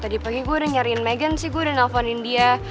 tadi pagi gue udah nyariin megan sih gue udah nelfonin dia